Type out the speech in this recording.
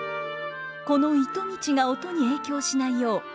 この糸道が音に影響しないよう棹